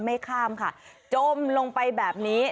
ไม่ข้ามค่ะจมลงไปแบบนี้